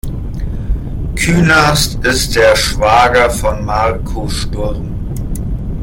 Künast ist der Schwager von Marco Sturm.